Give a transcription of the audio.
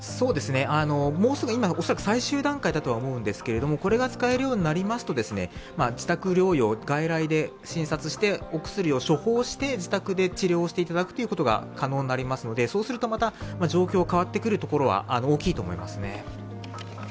もうすぐ、恐らく今、最終段階だと思うんですが、これが使えるようになりますと、自宅療養、外来で診察してお薬を処方して自宅で治療していただくことが可能になりますのでそうするとまた状況が変わってくるところは大きいと思いますね。